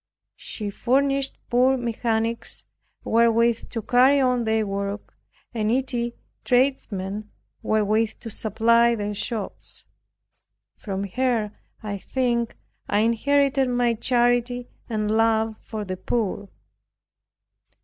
She furnished poor mechanics wherewith to carry on their work, and needy tradesmen wherewith to supply their shops. From her, I think, I inherited my charity and love for the poor.